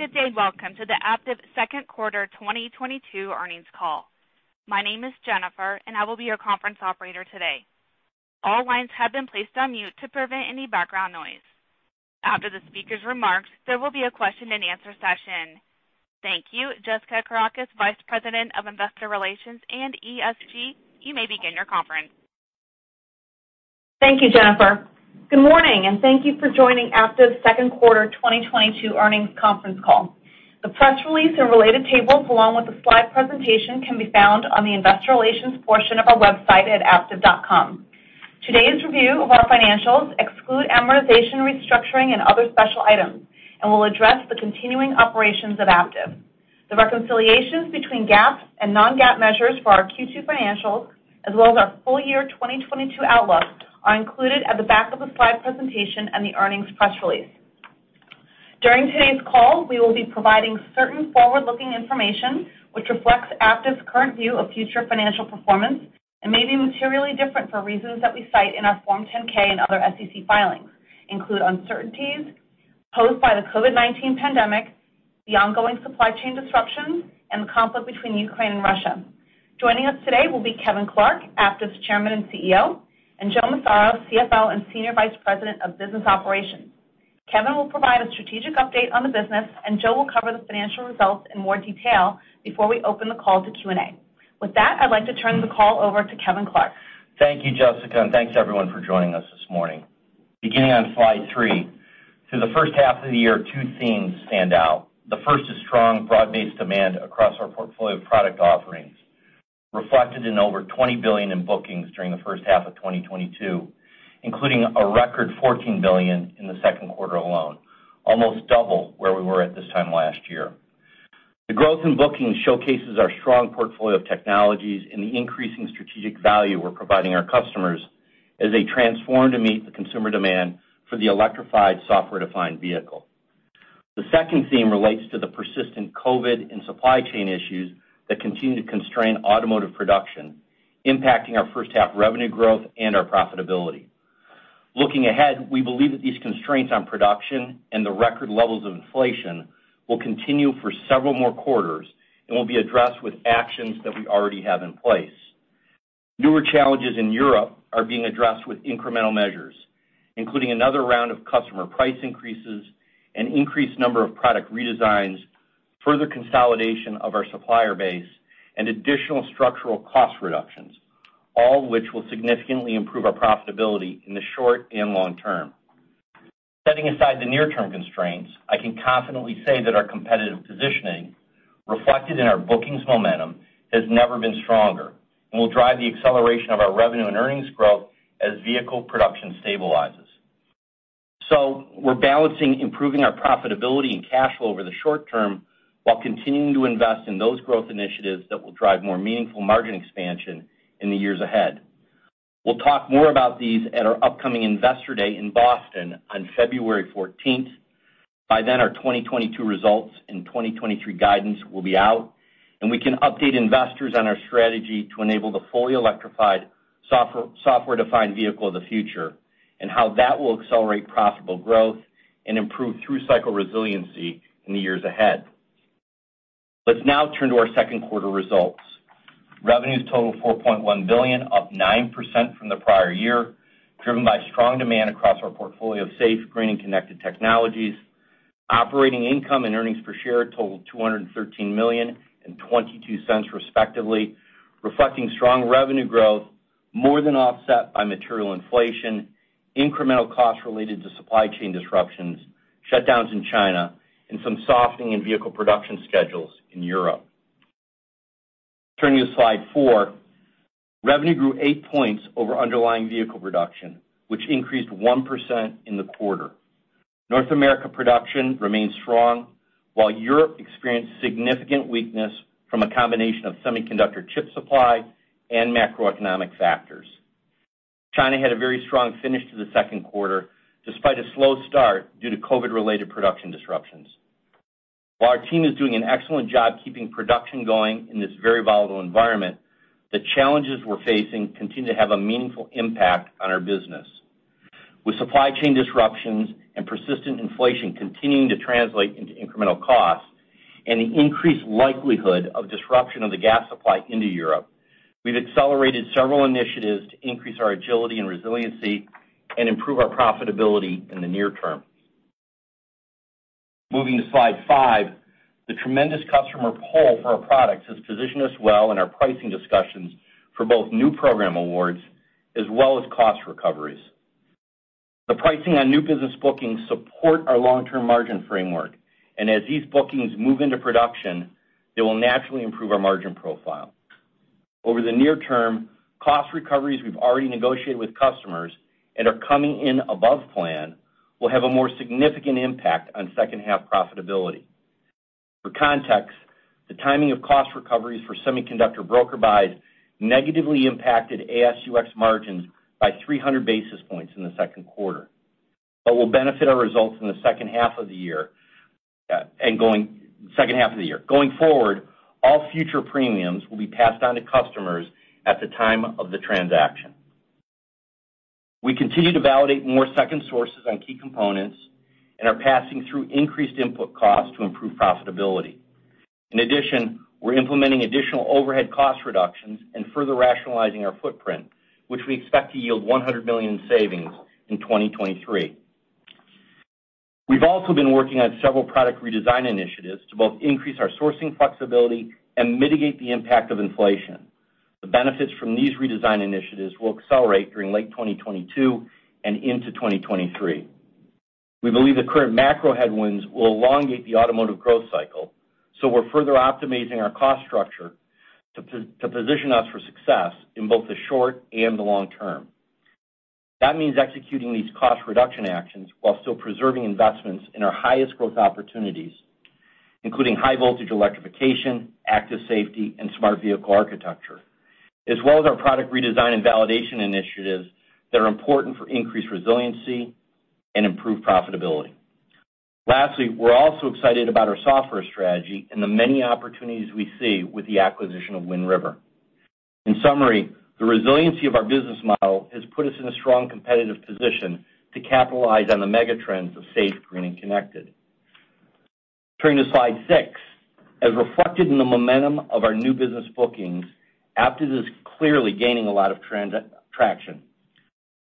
Good day, and welcome to the Aptiv second quarter 2022 earnings call. My name is Jennifer, and I will be your conference operator today. All lines have been placed on mute to prevent any background noise. After the speaker's remarks, there will be a Q&A session. Thank you, Jessica Kourakos, Vice President of Investor Relations and ESG. You may begin your conference. Thank you, Jessica. Good morning, and thank you for joining Aptiv's Q2 2022 earnings conference call. The press release and related tables, along with the slide presentation, can be found on the investor relations portion of our website at aptiv.com. Today's review of our financials exclude amortization, restructuring, and other special items, and will address the continuing operations of Aptiv. The reconciliations between GAAP and non-GAAP measures for our Q2 financials, as well as our full year 2022 outlook, are included at the back of the slide presentation and the earnings press release. During today's call, we will be providing certain forward-looking information which reflects Aptiv's current view of future financial performance and may be materially different for reasons that we cite in our Form 10-K and other SEC filings, including uncertainties posed by the COVID-19 pandemic, the ongoing supply chain disruptions, and the conflict between Ukraine and Russia. Joining us today will be Kevin Clark, Aptiv's Chairman and CEO, and Joe Massaro, CFO and Senior Vice President of Business Operations. Kevin will provide a strategic update on the business, and Joe will cover the financial results in more detail before we open the call to Q&A. With that, I'd like to turn the call over to Kevin Clark. Thank you, Jessica, and thanks everyone for joining us this morning. Beginning on slide three, through the first half of the year, two themes stand out. The first is strong, broad-based demand across our portfolio of product offerings, reflected in over $20 billion in bookings during the first half of 2022, including a record $14 billion in the second quarter alone, almost double where we were at this time last year. The growth in bookings showcases our strong portfolio of technologies and the increasing strategic value we're providing our customers as they transform to meet the consumer demand for the electrified software-defined vehicle. The second theme relates to the persistent COVID and supply chain issues that continue to constrain automotive production, impacting our first half revenue growth and our profitability. Looking ahead, we believe that these constraints on production and the record levels of inflation will continue for several more quarters and will be addressed with actions that we already have in place. Newer challenges in Europe are being addressed with incremental measures, including another round of customer price increases, an increased number of product redesigns, further consolidation of our supplier base, and additional structural cost reductions, all which will significantly improve our profitability in the short and long term. Setting aside the near-term constraints, I can confidently say that our competitive positioning, reflected in our bookings momentum, has never been stronger and will drive the acceleration of our revenue and earnings growth as vehicle production stabilizes. We're balancing improving our profitability and cash flow over the short term while continuing to invest in those growth initiatives that will drive more meaningful margin expansion in the years ahead. We'll talk more about these at our upcoming Investor Day in Boston on February 14. By then, our 2022 results and 2023 guidance will be out, and we can update investors on our strategy to enable the fully electrified software-defined vehicle of the future, and how that will accelerate profitable growth and improve through-cycle resiliency in the years ahead. Let's now turn to our second quarter results. Revenues total $4.1 billion, up 9% from the prior year, driven by strong demand across our portfolio of safe, green, and connected technologies. Operating income and earnings per share totaled $213 million and $0.22 respectively, reflecting strong revenue growth more than offset by material inflation, incremental costs related to supply chain disruptions, shutdowns in China, and some softening in vehicle production schedules in Europe. Turning to slide four, revenue grew eight points over underlying vehicle production, which increased 1% in the quarter. North America production remained strong, while Europe experienced significant weakness from a combination of semiconductor chip supply and macroeconomic factors. China had a very strong finish to the second quarter, despite a slow start due to COVID-related production disruptions. While our team is doing an excellent job keeping production going in this very volatile environment, the challenges we're facing continue to have a meaningful impact on our business. With supply chain disruptions and persistent inflation continuing to translate into incremental costs and the increased likelihood of disruption of the gas supply into Europe, we've accelerated several initiatives to increase our agility and resiliency and improve our profitability in the near term. Moving to slide five, the tremendous customer pull for our products has positioned us well in our pricing discussions for both new program awards as well as cost recoveries. The pricing on new business bookings support our long-term margin framework, and as these bookings move into production, they will naturally improve our margin profile. Over the near term, cost recoveries we've already negotiated with customers and are coming in above plan will have a more significant impact on second half profitability. For context, the timing of cost recoveries for semiconductor broker buys negatively impacted AS&UX margins by 300 basis points in the second quarter, but will benefit our results in the second half of the year. Going forward, all future premiums will be passed on to customers at the time of the transaction. We continue to validate more second sources on key components and are passing through increased input costs to improve profitability. In addition, we're implementing additional overhead cost reductions and further rationalizing our footprint, which we expect to yield $100 million in savings in 2023. We've also been working on several product redesign initiatives to both increase our sourcing flexibility and mitigate the impact of inflation. The benefits from these redesign initiatives will accelerate during late 2022 and into 2023. We believe the current macro headwinds will elongate the automotive growth cycle, so we're further optimizing our cost structure to position us for success in both the short and the long term. That means executing these cost reduction actions while still preserving investments in our highest growth opportunities, including high voltage electrification, active safety, and Smart Vehicle Architecture, as well as our product redesign and validation initiatives that are important for increased resiliency and improved profitability. Lastly, we're also excited about our software strategy and the many opportunities we see with the acquisition of Wind River. In summary, the resiliency of our business model has put us in a strong competitive position to capitalize on the mega trends of safe, green, and connected. Turning to slide six. As reflected in the momentum of our new business bookings, Aptiv is clearly gaining a lot of traction.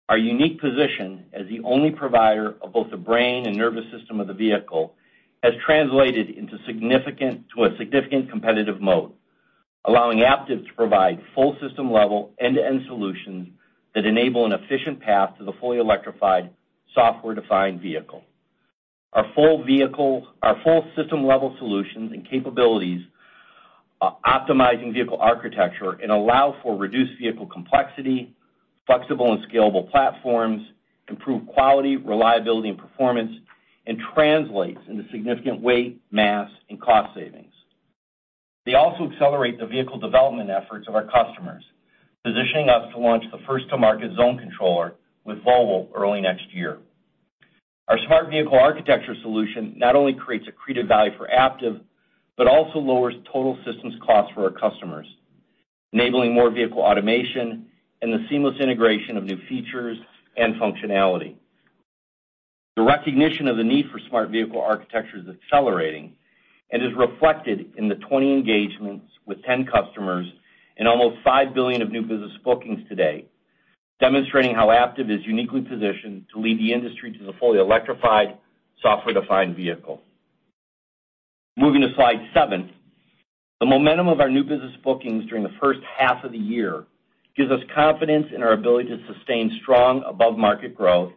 Our unique position as the only provider of both the brain and nervous system of the vehicle has translated into a significant competitive moat, allowing Aptiv to provide full system level end-to-end solutions that enable an efficient path to the fully electrified software-defined vehicle. Our full system-level solutions and capabilities are optimizing vehicle architecture and allow for reduced vehicle complexity, flexible and scalable platforms, improved quality, reliability, and performance, and translates into significant weight, mass, and cost savings. They also accelerate the vehicle development efforts of our customers, positioning us to launch the first to market zone controller with Volvo early next year. Our Smart Vehicle Architecture solution not only creates accretive value for Aptiv, but also lowers total systems costs for our customers, enabling more vehicle automation and the seamless integration of new features and functionality. The recognition of the need for Smart Vehicle Architecture is accelerating and is reflected in the 20 engagements with 10 customers and almost $5 billion of new business bookings today, demonstrating how Aptiv is uniquely positioned to lead the industry to the fully electrified software-defined vehicle. Moving to slide seven. The momentum of our new business bookings during the first half of the year gives us confidence in our ability to sustain strong above-market growth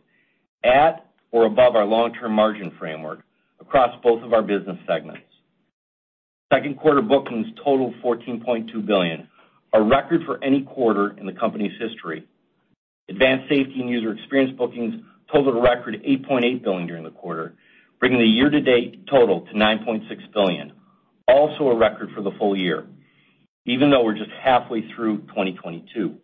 at or above our long-term margin framework across both of our business segments. Second quarter bookings totaled $14.2 billion, a record for any quarter in the company's history. Advanced Safety and User Experience bookings totaled a record $8.8 billion during the quarter, bringing the year-to-date total to $9.6 billion. Also a record for the full year, even though we're just halfway through 2022.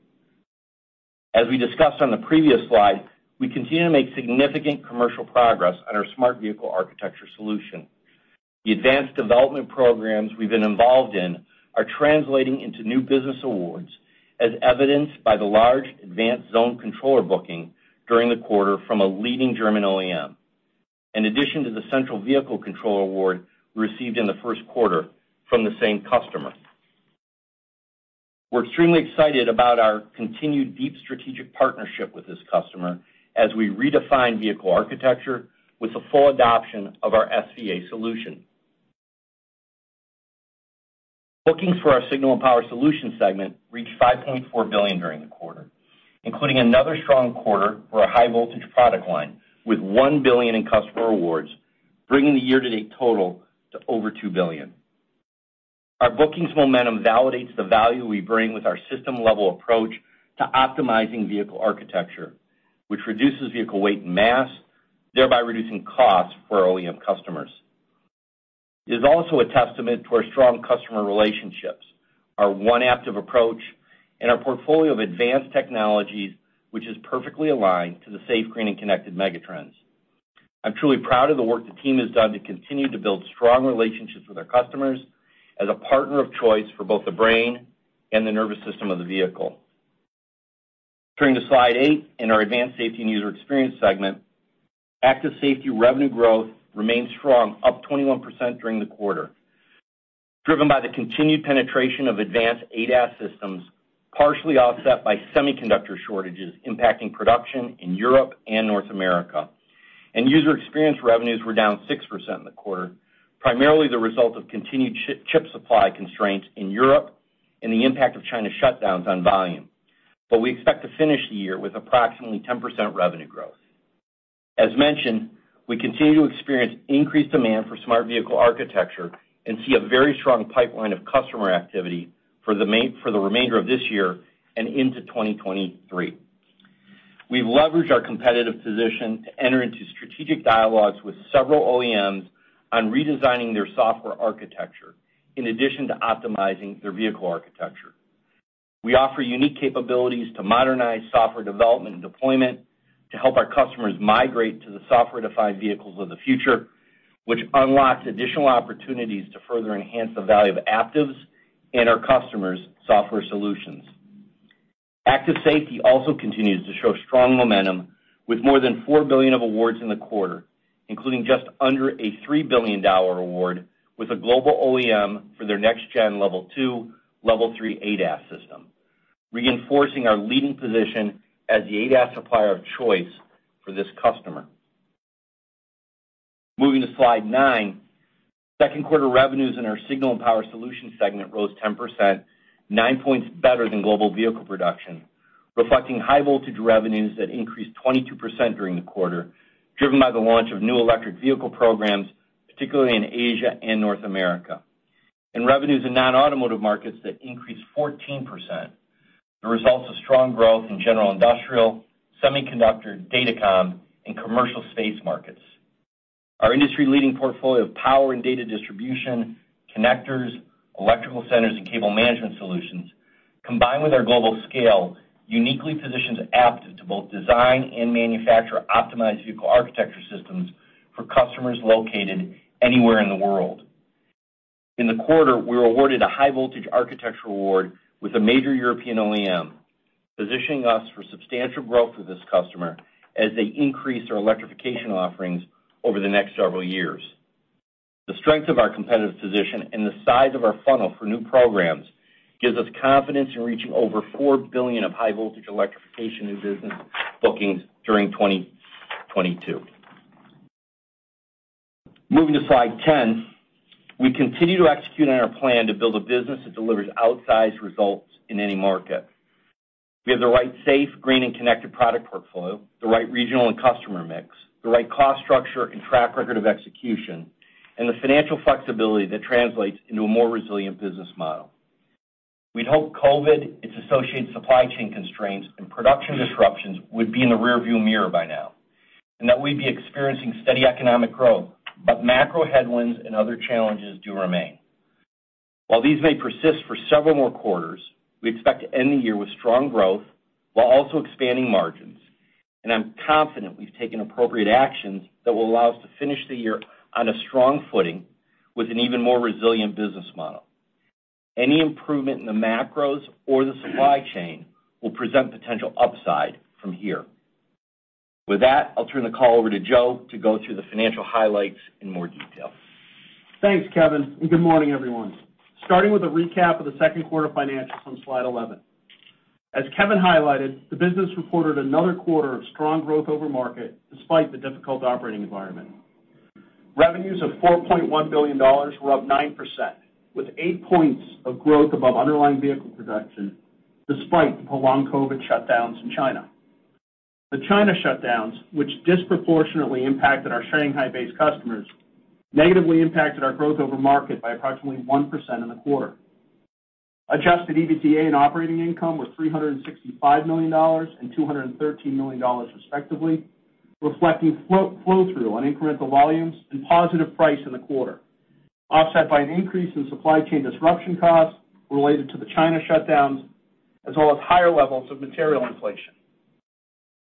As we discussed on the previous slide, we continue to make significant commercial progress on our Smart Vehicle Architecture solution. The advanced development programs we've been involved in are translating into new business awards, as evidenced by the large advanced zone controller booking during the quarter from a leading German OEM. In addition to the central vehicle control award we received in the first quarter from the same customer, we're extremely excited about our continued deep strategic partnership with this customer as we redefine vehicle architecture with the full adoption of our SVA solution. Bookings for our Signal and Power Solutions segment reached $5.4 billion during the quarter, including another strong quarter for our high voltage product line, with $1 billion in customer awards, bringing the year-to-date total to over $2 billion. Our bookings momentum validates the value we bring with our system-level approach to optimizing vehicle architecture, which reduces vehicle weight and mass, thereby reducing costs for our OEM customers. It is also a testament to our strong customer relationships, our One Aptiv approach, and our portfolio of advanced technologies, which is perfectly aligned to the safe, green, and connected mega trends. I'm truly proud of the work the team has done to continue to build strong relationships with our customers as a partner of choice for both the brain and the nervous system of the vehicle. Turning to slide eight, in our Advanced Safety and User Experience segment, active safety revenue growth remains strong, up 21% during the quarter, driven by the continued penetration of advanced ADAS systems, partially offset by semiconductor shortages impacting production in Europe and North America. User experience revenues were down 6% in the quarter, primarily the result of continued chip supply constraints in Europe and the impact of China shutdowns on volume. We expect to finish the year with approximately 10% revenue growth. As mentioned, we continue to experience increased demand for Smart Vehicle Architecture and see a very strong pipeline of customer activity for the remainder of this year and into 2023. We've leveraged our competitive position to enter into strategic dialogues with several OEMs on redesigning their software architecture in addition to optimizing their vehicle architecture. We offer unique capabilities to modernize software development and deployment to help our customers migrate to the software-defined vehicles of the future. Which unlocks additional opportunities to further enhance the value of Aptiv's and our customers' software solutions. AS&UX also continues to show strong momentum with more than $4 billion of awards in the quarter, including just under a $3 billion award with a global OEM for their next-gen Level 2, Level 3 ADAS system, reinforcing our leading position as the ADAS supplier of choice for this customer. Moving to slide nine. Second quarter revenues in our Signal and Power Solutions segment rose 10%, nine points better than global vehicle production, reflecting high-voltage revenues that increased 22% during the quarter, driven by the launch of new electric vehicle programs, particularly in Asia and North America, and revenues in non-automotive markets that increased 14%, the results of strong growth in general industrial, semiconductor, datacom and commercial space markets. Our industry-leading portfolio of power and data distribution, connectors, electrical centers and cable management solutions, combined with our global scale, uniquely positions Aptiv to both design and manufacture optimized vehicle architecture systems for customers located anywhere in the world. In the quarter, we were awarded a high voltage architecture award with a major European OEM, positioning us for substantial growth with this customer as they increase our electrification offerings over the next several years. The strength of our competitive position and the size of our funnel for new programs gives us confidence in reaching over $4 billion of high voltage electrification new business bookings during 2022. Moving to slide 10. We continue to execute on our plan to build a business that delivers outsized results in any market. We have the right safe, green and connected product portfolio, the right regional and customer mix, the right cost structure and track record of execution, and the financial flexibility that translates into a more resilient business model. We'd hope COVID, its associated supply chain constraints and production disruptions would be in the rear view mirror by now, and that we'd be experiencing steady economic growth. Macro headwinds and other challenges do remain. While these may persist for several more quarters, we expect to end the year with strong growth while also expanding margins. I'm confident we've taken appropriate actions that will allow us to finish the year on a strong footing with an even more resilient business model. Any improvement in the macros or the supply chain will present potential upside from here. With that, I'll turn the call over to Joe to go through the financial highlights in more detail. Thanks, Kevin, and good morning, everyone. Starting with a recap of the second quarter financials on slide 11. As Kevin highlighted, the business reported another quarter of strong growth over market despite the difficult operating environment. Revenues of $4.1 billion were up 9%, with eight points of growth above underlying vehicle production, despite the prolonged COVID shutdowns in China. The China shutdowns, which disproportionately impacted our Shanghai-based customers, negatively impacted our growth over market by approximately 1% in the quarter. Adjusted EBITDA and operating income were $365 million and $213 million, respectively, reflecting flow-through on incremental volumes and positive price in the quarter, offset by an increase in supply chain disruption costs related to the China shutdowns, as well as higher levels of material inflation,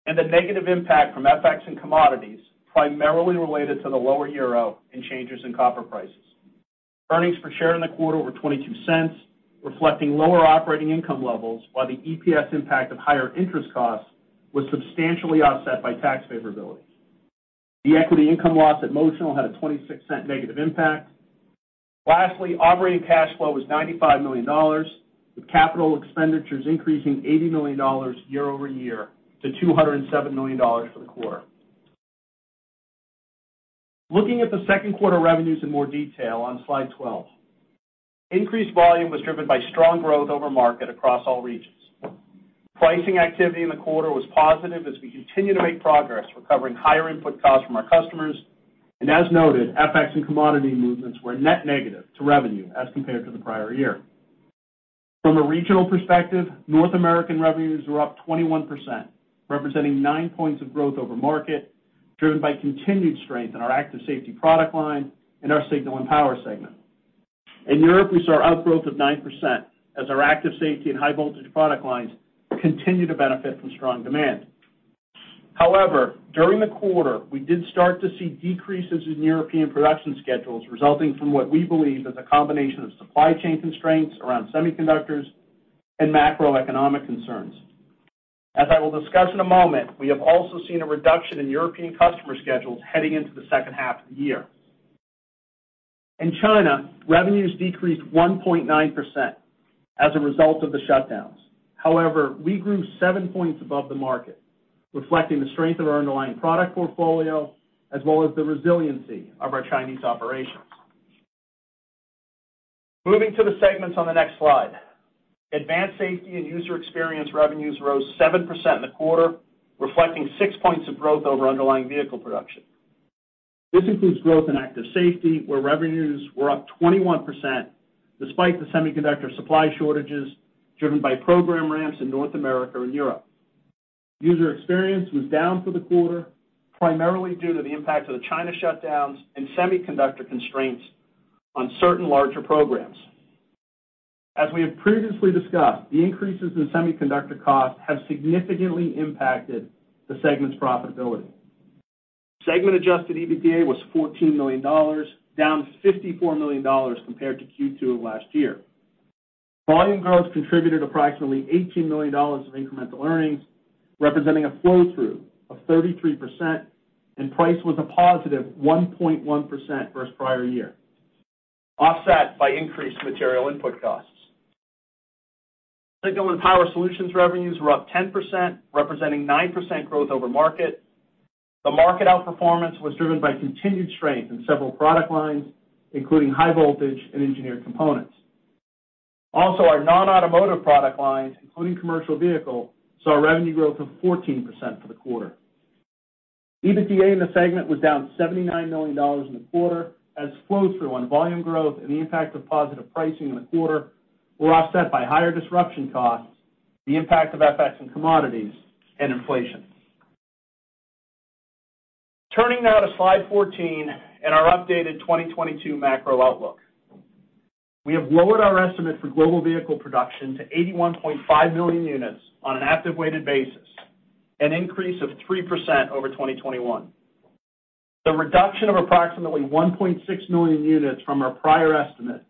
and the negative impact from FX and commodities, primarily related to the lower euro and changes in copper prices. Earnings per share in the quarter were $0.22, reflecting lower operating income levels, while the EPS impact of higher interest costs was substantially offset by tax favorabilities. The equity income loss at Motional had a $0.26 negative impact. Lastly, operating cash flow was $95 million, with capital expenditures increasing $80 million year-over-year to $207 million for the quarter. Looking at the second quarter revenues in more detail on slide 12. Increased volume was driven by strong growth over market across all regions. Pricing activity in the quarter was positive as we continue to make progress recovering higher input costs from our customers. As noted, FX and commodity movements were net negative to revenue as compared to the prior year. From a regional perspective, North American revenues were up 21%, representing nine points of growth over market, driven by continued strength in our active safety product line and our Signal and Power segment. In Europe, we saw outgrowth of 9% as our active safety and high voltage product lines continue to benefit from strong demand. However, during the quarter, we did start to see decreases in European production schedules resulting from what we believe is a combination of supply chain constraints around semiconductors and macroeconomic concerns. As I will discuss in a moment, we have also seen a reduction in European customer schedules heading into the second half of the year. In China, revenues decreased 1.9% as a result of the shutdowns. However, we grew seven points above the market, reflecting the strength of our underlying product portfolio as well as the resiliency of our Chinese operations. Moving to the segments on the next slide. Advanced Safety and User Experience revenues rose 7% in the quarter, reflecting six points of growth over underlying vehicle production. This includes growth in Active Safety, where revenues were up 21% despite the semiconductor supply shortages driven by program ramps in North America and Europe. User Experience was down for the quarter, primarily due to the impact of the China shutdowns and semiconductor constraints on certain larger programs. As we have previously discussed, the increases in semiconductor costs have significantly impacted the segment's profitability. Segment adjusted EBITDA was $14 million, down $54 million compared to Q2 of last year. Volume growth contributed approximately $18 million of incremental earnings, representing a flow through of 33%, and price was a positive 1.1% versus prior year, offset by increased material input costs. Signal and Power Solutions revenues were up 10%, representing 9% growth over market. The market outperformance was driven by continued strength in several product lines, including high voltage and engineered components. Also, our non-automotive product lines, including commercial vehicle, saw a revenue growth of 14% for the quarter. EBITDA in the segment was down $79 million in the quarter as flow-through on volume growth and the impact of positive pricing in the quarter were offset by higher disruption costs, the impact of FX and commodities, and inflation. Turning now to slide 14 and our updated 2022 macro outlook. We have lowered our estimate for global vehicle production to 81.5 million units on an active weighted basis, an increase of 3% over 2021. The reduction of approximately 1.6 million units from our prior estimate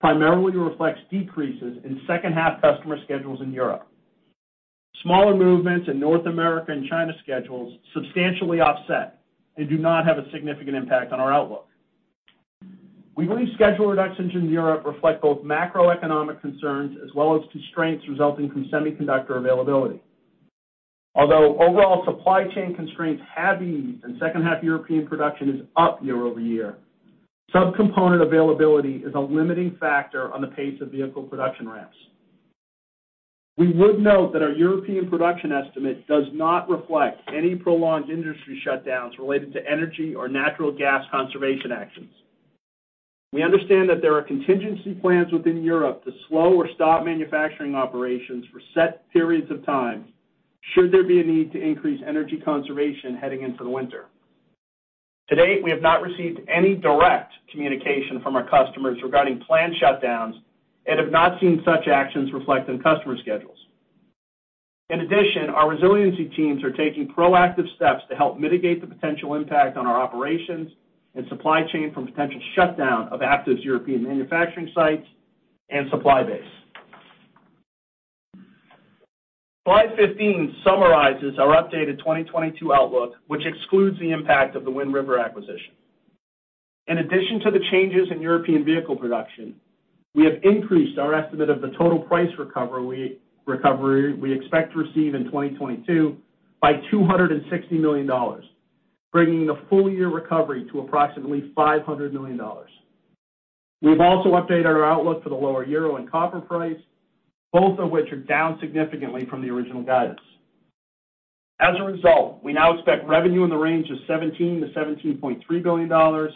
primarily reflects decreases in second half customer schedules in Europe. Smaller movements in North America and China schedules substantially offset and do not have a significant impact on our outlook. We believe schedule reductions in Europe reflect both macroeconomic concerns as well as constraints resulting from semiconductor availability. Although overall supply chain constraints have eased and second half European production is up year-over-year, sub-component availability is a limiting factor on the pace of vehicle production ramps. We would note that our European production estimate does not reflect any prolonged industry shutdowns related to energy or natural gas conservation actions. We understand that there are contingency plans within Europe to slow or stop manufacturing operations for set periods of time should there be a need to increase energy conservation heading into the winter. To date, we have not received any direct communication from our customers regarding planned shutdowns and have not seen such actions reflect on customer schedules. In addition, our resiliency teams are taking proactive steps to help mitigate the potential impact on our operations and supply chain from potential shutdown of Aptiv's European manufacturing sites and supply base. Slide 15 summarizes our updated 2022 outlook, which excludes the impact of the Wind River acquisition. In addition to the changes in European vehicle production, we have increased our estimate of the total price recovery we expect to receive in 2022 by $260 million, bringing the full year recovery to approximately $500 million. We've also updated our outlook for the lower euro and copper price, both of which are down significantly from the original guidance. As a result, we now expect revenue in the range of $17 billion-$17.3 billion.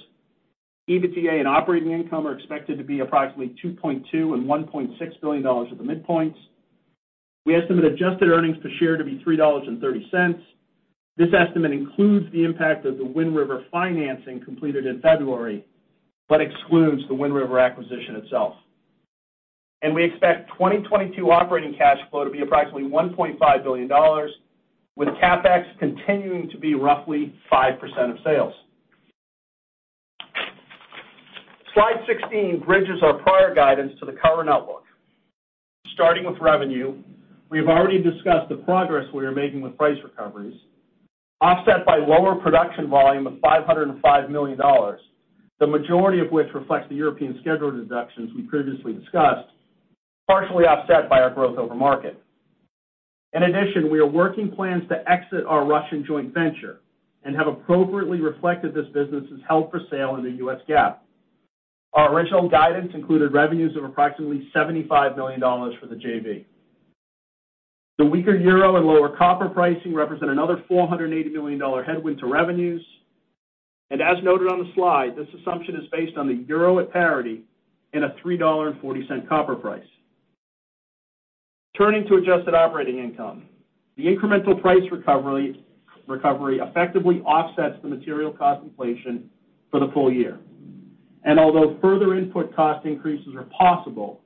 EBITDA and operating income are expected to be approximately $2.2 billion and $1.6 billion at the midpoints. We estimate adjusted earnings per share to be $3.30. This estimate includes the impact of the Wind River financing completed in February, but excludes the Wind River acquisition itself. We expect 2022 operating cash flow to be approximately $1.5 billion, with CapEx continuing to be roughly 5% of sales. Slide 16 bridges our prior guidance to the current outlook. Starting with revenue, we have already discussed the progress we are making with price recoveries, offset by lower production volume of $505 million, the majority of which reflects the European schedule reductions we previously discussed, partially offset by our growth over market. In addition, we are working plans to exit our Russian joint venture and have appropriately reflected this business as held for sale in the US GAAP. Our original guidance included revenues of approximately $75 million for the JV. The weaker euro and lower copper pricing represent another $480 million headwind to revenues. As noted on the slide, this assumption is based on the euro at parity and a $3.40 copper price. Turning to adjusted operating income. The incremental price recovery effectively offsets the material cost inflation for the full year. Although further input cost increases are possible,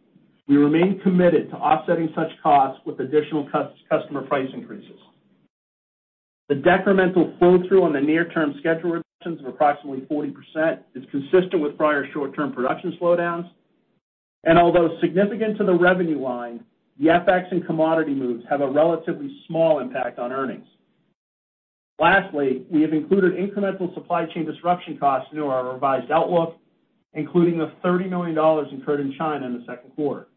we remain committed to offsetting such costs with additional customer price increases. The decremental flow-through on the near-term schedule reductions of approximately 40% is consistent with prior short-term production slowdowns. Although significant to the revenue line, the FX and commodity moves have a relatively small impact on earnings. Lastly, we have included incremental supply chain disruption costs into our revised outlook, including the $30 million incurred in China in the second quarter.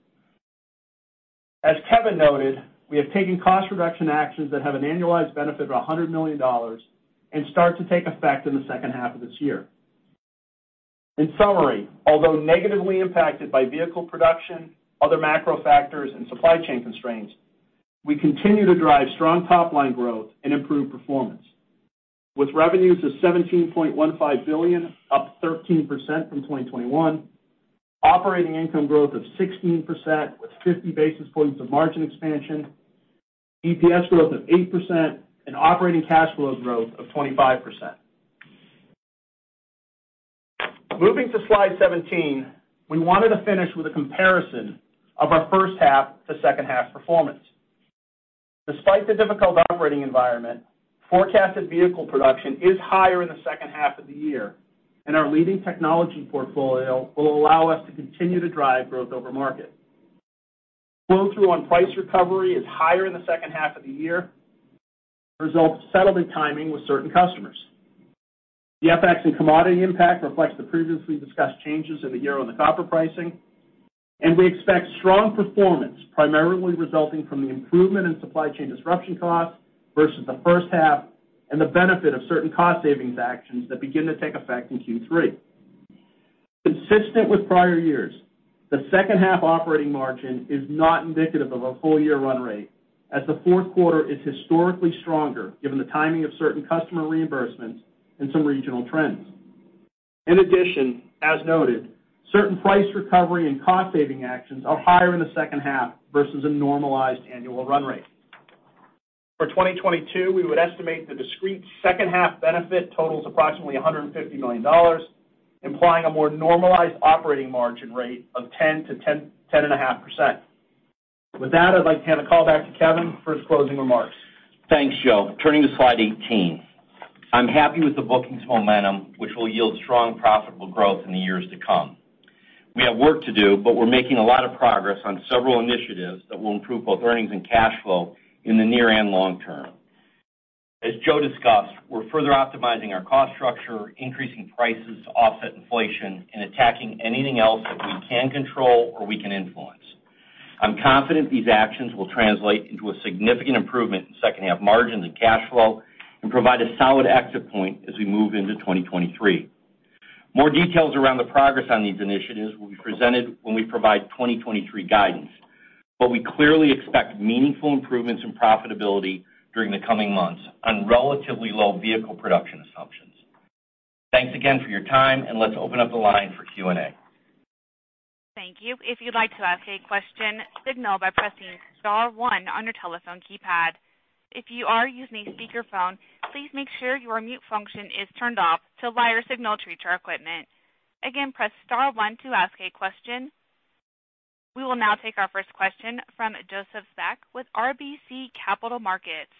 As Kevin noted, we have taken cost reduction actions that have an annualized benefit of $100 million and start to take effect in the second half of this year. In summary, although negatively impacted by vehicle production, other macro factors, and supply chain constraints, we continue to drive strong top-line growth and improve performance. With revenues of $17.15 billion, up 13% from 2021, operating income growth of 16% with 50 basis points of margin expansion, EPS growth of 8% and operating cash flows growth of 25%. Moving to slide 17, we wanted to finish with a comparison of our first half to second half performance. Despite the difficult operating environment, forecasted vehicle production is higher in the second half of the year, and our leading technology portfolio will allow us to continue to drive growth over market. Flow-through on price recovery is higher in the second half of the year, results settlement timing with certain customers. The FX and commodity impact reflects the previously discussed changes year-on-year in the copper pricing, and we expect strong performance, primarily resulting from the improvement in supply chain disruption costs versus the first half and the benefit of certain cost savings actions that begin to take effect in Q3. Consistent with prior years, the second half operating margin is not indicative of a full-year run rate as the fourth quarter is historically stronger given the timing of certain customer reimbursements and some regional trends. In addition, as noted, certain price recovery and cost-saving actions are higher in the second half versus a normalized annual run rate. For 2022, we would estimate the discrete second half benefit totals approximately $150 million, implying a more normalized operating margin rate of 10%-10.5%. With that, I'd like to hand the call back to Kevin for his closing remarks. Thanks, Joe. Turning to slide 18. I'm happy with the bookings momentum, which will yield strong profitable growth in the years to come. We have work to do, but we're making a lot of progress on several initiatives that will improve both earnings and cash flow in the near and long term. As Joe discussed, we're further optimizing our cost structure, increasing prices to offset inflation, and attacking anything else that we can control or we can influence. I'm confident these actions will translate into a significant improvement in second half margins and cash flow and provide a solid exit point as we move into 2023. More details around the progress on these initiatives will be presented when we provide 2023 guidance, but we clearly expect meaningful improvements in profitability during the coming months on relatively low vehicle production assumptions. Thanks again for your time, and let's open up the line for Q&A. Thank you. If you'd like to ask a question, signal by pressing star one on your telephone keypad. If you are using a speakerphone, please make sure your mute function is turned off to allow us to hear you. Again, press star one to ask a question. We will now take our first question from Joseph Spak with RBC Capital Markets.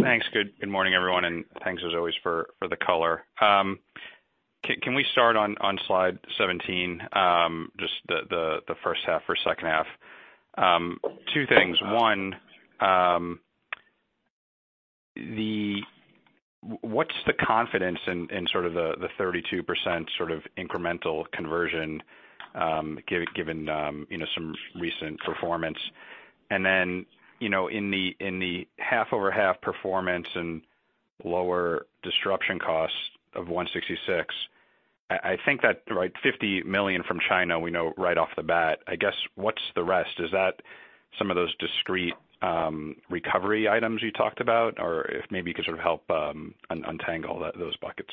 Thanks. Good morning, everyone, and thanks as always for the color. Can we start on slide 17? Just the first half or second half. Two things. One, what's the confidence in sort of the 32% sort of incremental conversion, given you know, some recent performance? Then, you know, in the half-over-half performance and lower disruption costs of $166 million, I think that right, $50 million from China we know right off the bat. I guess, what's the rest? Is that some of those discrete recovery items you talked about? Or if maybe you could sort of help untangle those buckets.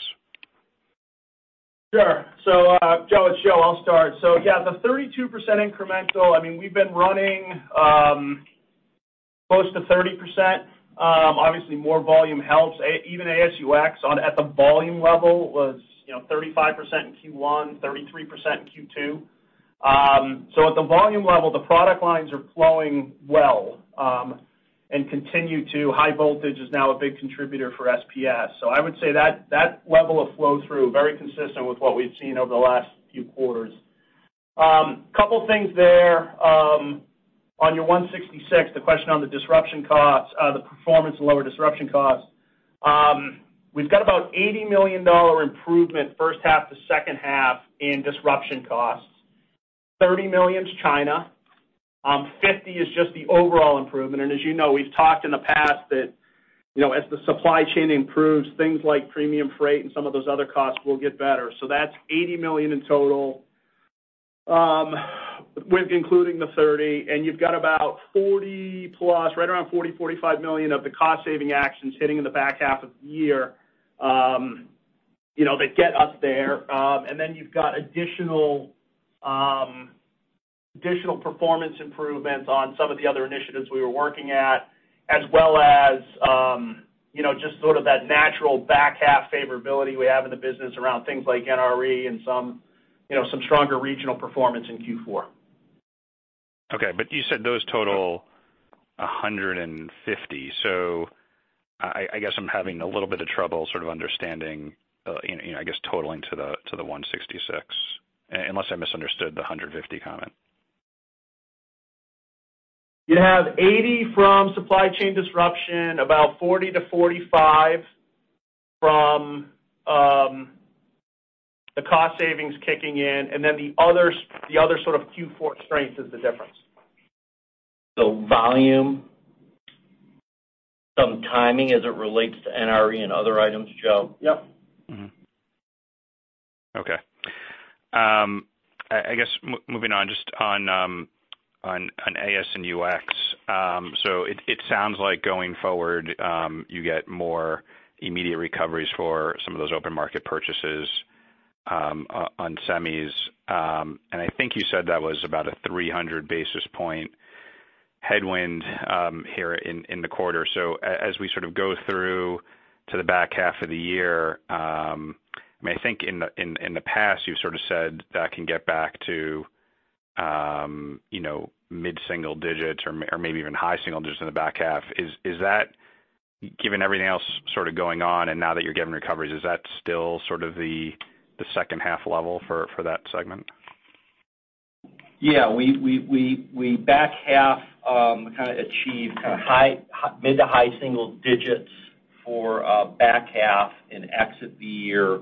Sure. Joe, it's Joe, I'll start. Yeah, the 32% incremental, I mean, we've been running close to 30%. Obviously more volume helps. Even AS&UX at the volume level was, you know, 35% in Q1, 33% in Q2. At the volume level, the product lines are flowing well and continue to. High voltage is now a big contributor for SPS. I would say that level of flow-through very consistent with what we've seen over the last few quarters. Couple things there on your $166 million, the question on the disruption costs, the performance and lower disruption costs. We've got about $80 million improvement first half to second half in disruption costs. $30 million is China, $50 million is just the overall improvement. As you know, we've talked in the past that, you know, as the supply chain improves, things like premium freight and some of those other costs will get better. That's $80 million in total, with including the $30 million, and you've got about $40 million plus, right around $40 million-$45 million of the cost saving actions hitting in the back half of the year, you know, that get us there. You've got additional performance improvements on some of the other initiatives we were working on, as well as, you know, just sort of that natural back half favorability we have in the business around things like NRE and some stronger regional performance in Q4. Okay, you said those total $150 million. I guess I'm having a little bit of trouble sort of understanding, you know, I guess totaling to the $166 million, unless I misunderstood the $150 million comment. You have $80 million from supply chain disruption, about $40 million-$45 million from the cost savings kicking in, and then the other sort of Q4 strengths is the difference. Volume, some timing as it relates to NRE and other items, Joe? Yep. I guess moving on just on AS&UX. So it sounds like going forward, you get more immediate recoveries for some of those open market purchases on semis. And I think you said that was about a 300 basis point headwind here in the quarter. So as we sort of go through to the back half of the year, I mean, I think in the past, you've sort of said that can get back to, you know, mid-single digits or maybe even high single digits in the back half. Is that, given everything else sort of going on and now that you're given recoveries, still sort of the second half level for that segment? Yeah. We back half kinda achieve kind of mid- to high-single digits for back half and exit the year,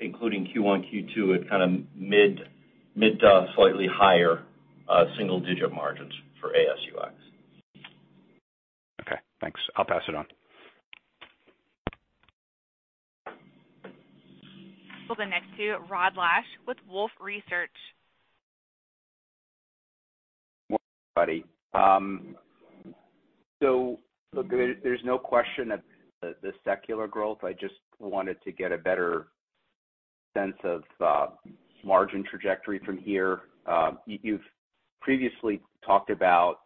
including Q1, Q2 at kinda mid- to slightly higher single-digit margins for AS&UX. Okay, thanks. I'll pass it on. We'll go next to Rod Lache with Wolfe Research. Morning, everybody. Look, there's no question of the secular growth. I just wanted to get a better sense of margin trajectory from here. You've previously talked about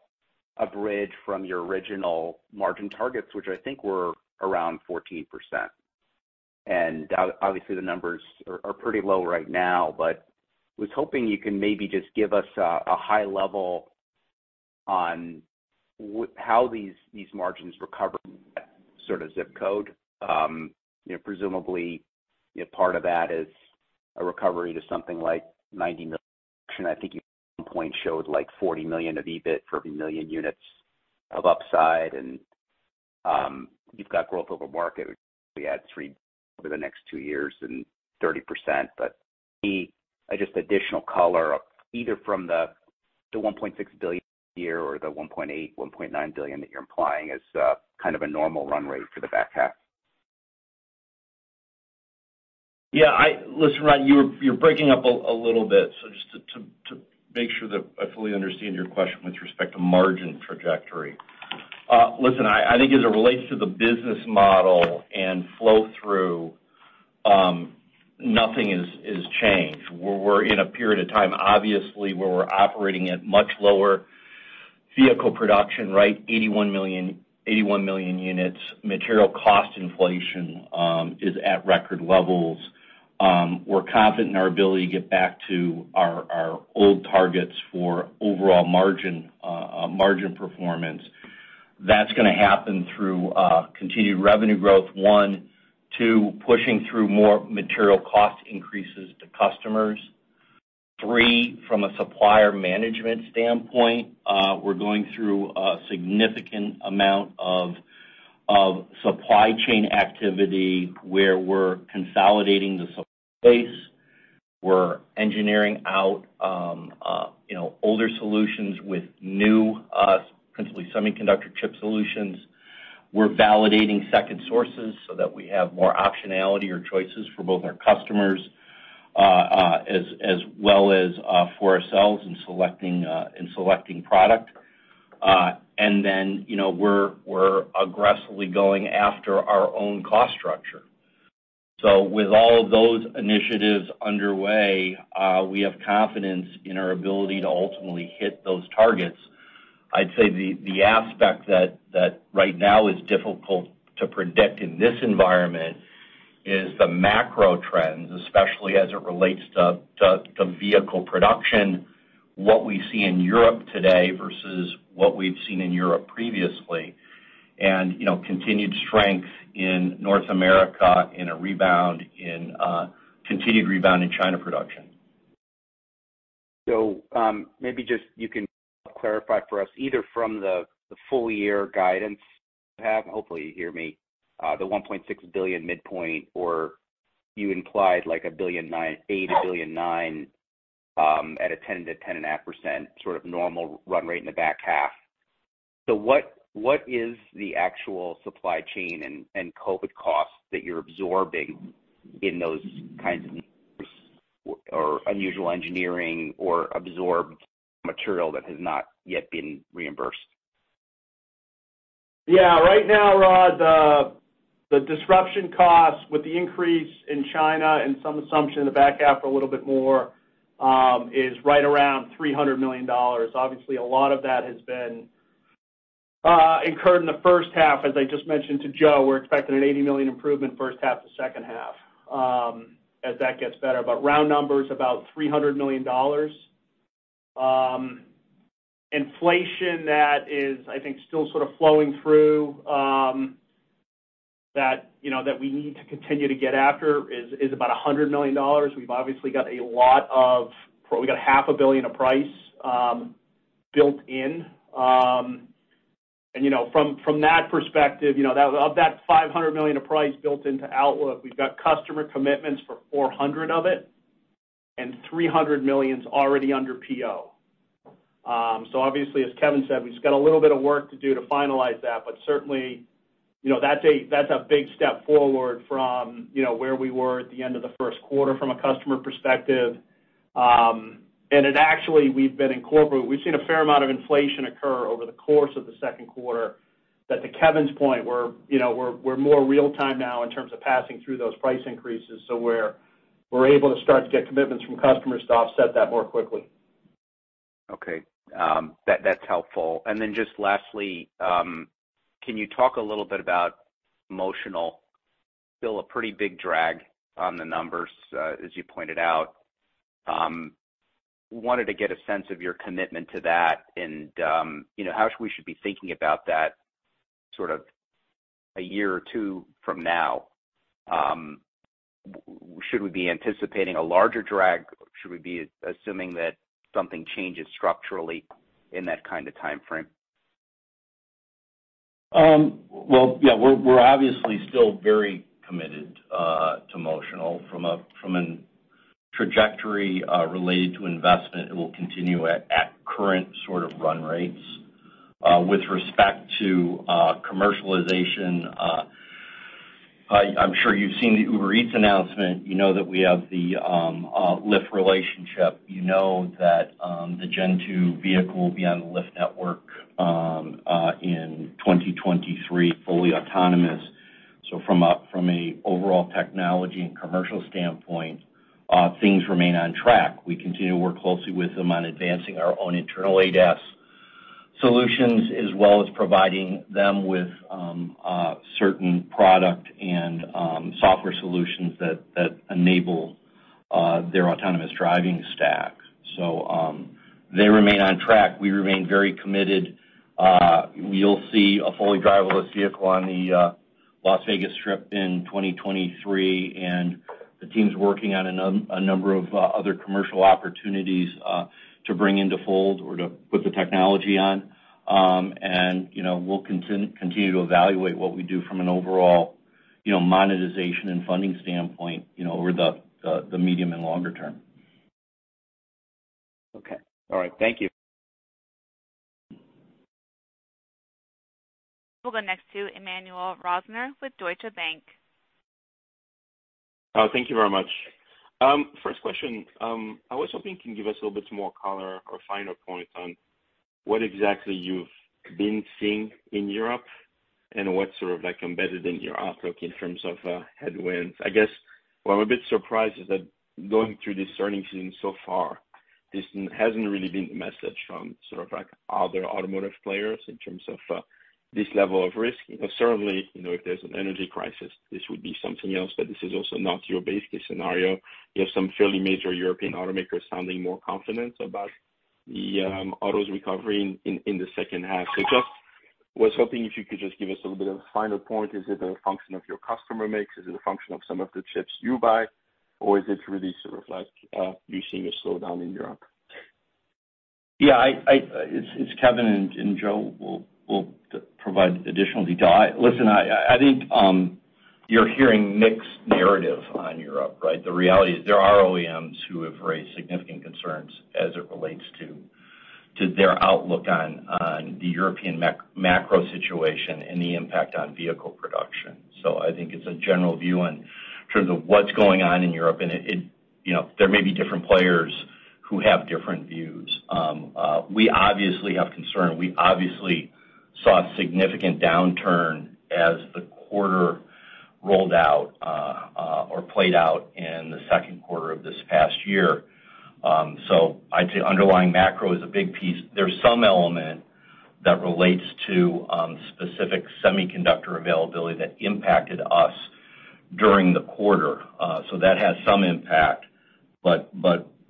a bridge from your original margin targets, which I think were around 14%. Obviously, the numbers are pretty low right now, but was hoping you can maybe just give us a high level on how these margins recover, that sort of zip code. You know, presumably, you know, part of that is a recovery to something like $90 million. I think you at one point showed like $40 million of EBIT per million units of upside. You've got growth over market, we add 3% over the next two years and 30%. Any just additional color either from the $1.6 billion a year or the $1.8 billion-$1.9 billion that you're implying is kind of a normal run rate for the back half. Listen, Rod, you're breaking up a little bit, so just to make sure that I fully understand your question with respect to margin trajectory. Listen, I think as it relates to the business model and flow-through, nothing has changed. We're in a period of time, obviously, where we're operating at much lower vehicle production, right? 81 million units. Material cost inflation is at record levels. We're confident in our ability to get back to our old targets for overall margin performance. That's gonna happen through continued revenue growth, one. Two, pushing through more material cost increases to customers. Three, from a supplier management standpoint, we're going through a significant amount of supply chain activity, where we're consolidating the supply base. We're engineering out, you know, older solutions with new, principally semiconductor chip solutions. We're validating second sources so that we have more optionality or choices for both our customers, as well as for ourselves in selecting product. You know, we're aggressively going after our own cost structure. With all of those initiatives underway, we have confidence in our ability to ultimately hit those targets. I'd say the aspect that right now is difficult to predict in this environment is the macro trends, especially as it relates to vehicle production. What we see in Europe today versus what we've seen in Europe previously. You know, continued strength in North America, continued rebound in China production. Maybe just you can clarify for us, either from the full year guidance you have, and hopefully you hear me, the $1.6 billion midpoint, or you implied like $1.9 billion, $1.8 billion at a 10%-10.5% sort of normal run rate in the back half. What is the actual supply chain and COVID costs that you're absorbing in those kinds of or unusual engineering or absorbed material that has not yet been reimbursed? Yeah. Right now, Rod, the disruption costs with the increase in China and some assumption in the back half are a little bit more is right around $300 million. Obviously, a lot of that has been incurred in the first half. As I just mentioned to Joe, we're expecting an $80 million improvement first half to second half, as that gets better. Round numbers, about $300 million. Inflation that is, I think, still sort of flowing through, that you know that we need to continue to get after is about $100 million. We got $500 million of price built in. You know, from that perspective, you know, of that $500 million of price built into outlook, we've got customer commitments for $400 million of it, and $300 million's already under PO. Obviously, as Kevin said, we've just got a little bit of work to do to finalize that. Certainly, you know, that's a big step forward from, you know, where we were at the end of the first quarter from a customer perspective. It actually, we've seen a fair amount of inflation occur over the course of the second quarter that, to Kevin's point, we're, you know, we're more real time now in terms of passing through those price increases. We're able to start to get commitments from customers to offset that more quickly. Okay. That's helpful. Just lastly, can you talk a little bit about Motional? Still a pretty big drag on the numbers, as you pointed out. Wanted to get a sense of your commitment to that and, you know, how we should be thinking about that sort of a year or two from now. Should we be anticipating a larger drag? Should we be assuming that something changes structurally in that kind of timeframe? Well, yeah, we're obviously still very committed to Motional from a trajectory related to investment. It will continue at current sort of run rates. With respect to commercialization, I'm sure you've seen the Uber Eats announcement. You know that we have the Lyft relationship. You know that the Gen Two vehicle will be on the Lyft network in 2023, fully autonomous. From an overall technology and commercial standpoint, things remain on track. We continue to work closely with them on advancing our own internal ADAS solutions, as well as providing them with certain product and software solutions that enable their autonomous driving stack. They remain on track. We remain very committed. You'll see a fully driverless vehicle on the Las Vegas Strip in 2023, and the team's working on a number of other commercial opportunities to bring into fold or to put the technology on. You know, we'll continue to evaluate what we do from an overall, you know, monetization and funding standpoint, you know, over the medium and longer term. Okay. All right. Thank you. We'll go next to Emmanuel Rosner with Deutsche Bank. Oh, thank you very much. First question. I was hoping you can give us a little bit more color or finer point on what exactly you've been seeing in Europe and what sort of, like, embedded in your outlook in terms of headwinds. I guess what I'm a bit surprised is that going through this earnings season so far, this hasn't really been the message from sort of like other automotive players in terms of this level of risk. Certainly, you know, if there's an energy crisis, this would be something else. But this is also not your basic scenario. You have some fairly major European automakers sounding more confident about the autos recovery in the second half. Just was hoping if you could just give us a little bit of a finer point. Is it a function of your customer mix? Is it a function of some of the chips you buy? Or is it really to reflect you seeing a slowdown in Europe? Yeah, it's Kevin and Joe will provide additional detail. Listen, I think you're hearing mixed narrative on Europe, right? The reality is there are OEMs who have raised significant concerns as it relates to their outlook on the European macro situation and the impact on vehicle production. I think it's a general view in terms of what's going on in Europe. It you know, there may be different players who have different views. We obviously have concern. We obviously saw significant downturn as the quarter rolled out or played out in the second quarter of this past year. I'd say underlying macro is a big piece. There's some element that relates to specific semiconductor availability that impacted us during the quarter. That has some impact.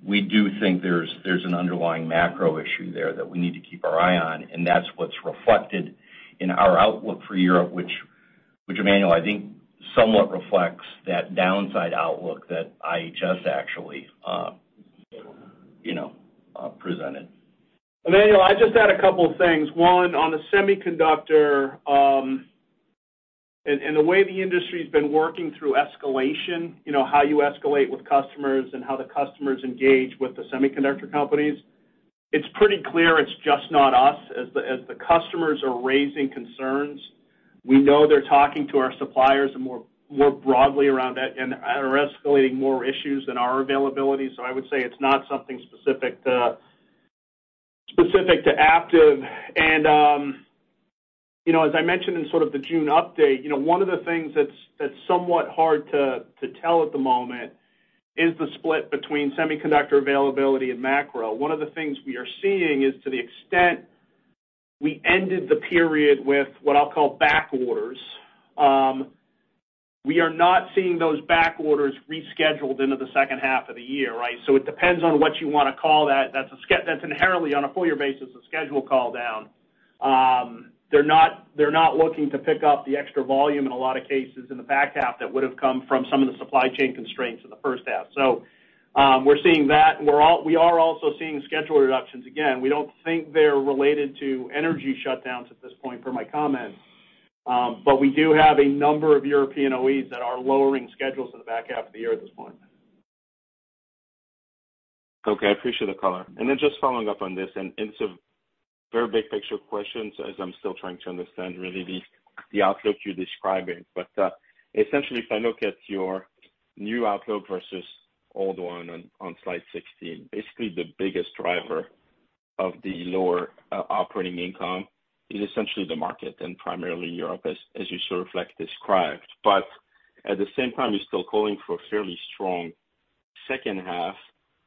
We do think there's an underlying macro issue there that we need to keep an eye on, and that's what's reflected in our outlook for Europe, which, Emmanuel, I think somewhat reflects that downside outlook that IHS actually, you know, presented. Emmanuel, I'd just add a couple of things. One, on the semiconductor and the way the industry's been working through escalation, you know, how you escalate with customers and how the customers engage with the semiconductor companies, it's pretty clear it's just not us. As the customers are raising concerns, we know they're talking to our suppliers more broadly around that and are escalating more issues than our availability. I would say it's not something specific to Aptiv. You know, as I mentioned in sort of the June update, you know, one of the things that's somewhat hard to tell at the moment is the split between semiconductor availability and macro. One of the things we are seeing is to the extent we ended the period with what I'll call back orders, we are not seeing those back orders rescheduled into the second half of the year, right? It depends on what you wanna call that. That's inherently, on a full year basis, a schedule calldown. They're not looking to pick up the extra volume in a lot of cases in the back half that would have come from some of the supply chain constraints in the first half. We're seeing that and we are also seeing schedule reductions. We don't think they're related to energy shutdowns at this point per my comment. We do have a number of European OEMs that are lowering schedules in the back half of the year at this point. Okay. I appreciate the color. Then just following up on this. Very big picture questions as I'm still trying to understand really the outlook you're describing. Essentially, if I look at your new outlook versus old one on slide 16, basically the biggest driver of the lower operating income is essentially the market and primarily Europe, as you sort of like described. At the same time, you're still calling for a fairly strong second half.